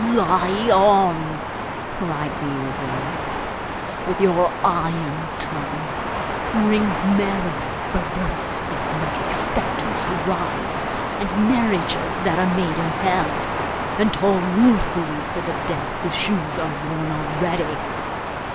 'Lie on!' cried the usurer, 'with your iron tongue! Ring merrily for births that make expectants writhe, and marriages that are made in hell, and toll ruefully for the dead whose shoes are worn already!